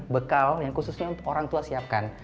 bekal yang khususnya untuk orang tua siapkan